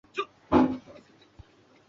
这次东征完全失败。